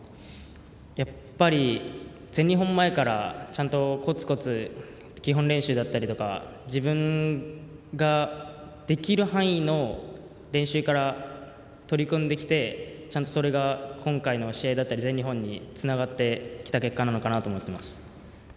やっぱり全日本前からちゃんとコツコツ基本練習だったり自分ができる範囲の練習から取り組んできてちゃんとそれが今回の試合だったり全日本につながってきた結果なのかなと思ってます。